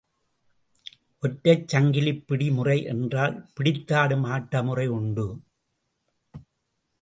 ஒற்றைச் சங்கிலிப் பிடி முறை என்ற பிடித்தாடும் ஆட்டமுறை உண்டு.